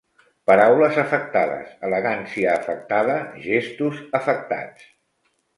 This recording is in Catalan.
Paraules afectades, elegància afectada, gestos afectats.